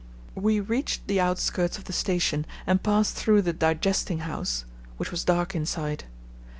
We reached the outskirts of the station and passed through the "digesting house," which was dark inside.